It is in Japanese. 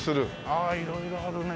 ああ色々あるね。